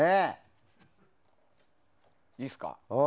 いいですか。